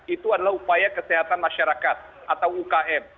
itu adalah upaya kesehatan masyarakat atau ukm